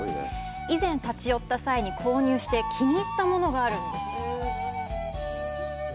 以前、立ち寄った際に購入して気に入ったものがあるんです。